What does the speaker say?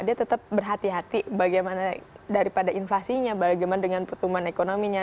dia tetap berhati hati bagaimana daripada inflasinya bagaimana dengan pertumbuhan ekonominya